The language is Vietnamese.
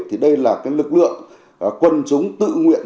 thì đây là cái lực lượng quân chúng tự nguyện